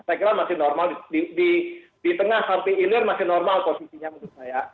saya kira masih normal di tengah sampai ilir masih normal posisinya menurut saya